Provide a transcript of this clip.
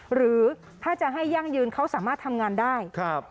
หรือถ้าจะให้ยั่งยืนเขาสามารถทำงานได้